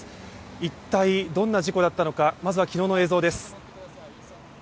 一体どんな事故だったのか、まずは昨日の映像です。